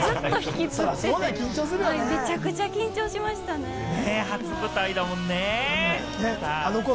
ずっとひきつってて、めちゃくち初舞台だもんね。